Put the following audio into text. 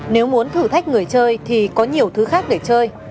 nếu muốn thử thách người chơi thì có nhiều thứ khác để chơi